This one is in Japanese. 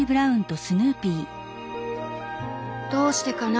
「どうしてかな